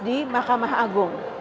di mahkamah agung